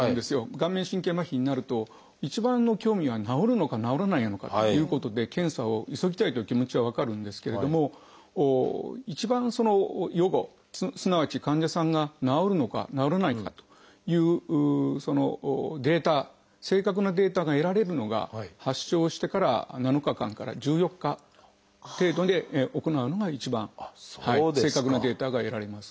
顔面神経麻痺になると一番の興味は治るのか治らないのかということで検査を急ぎたいという気持ちは分かるんですけれども一番予後すなわち患者さんが治るのか治らないのかというデータ正確なデータが得られるのが発症してから７日間から１４日程度で行うのが一番正確なデータが得られます。